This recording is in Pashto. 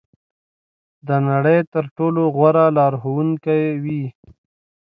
د نړۍ تر ټولو غوره لارښوونکې وي.